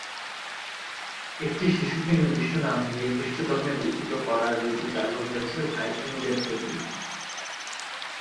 একটি শিশুকে নির্দিষ্ট নাম দিয়ে খ্রিস্টধর্মে দীক্ষিত করার রীতি চালু হয়েছে ভাইকিং দের থেকেই।